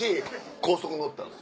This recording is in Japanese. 高速乗ったんです